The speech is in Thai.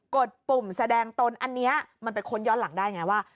ดปุ่มแสดงตนอันนี้มันไปค้นย้อนหลังได้ไงว่า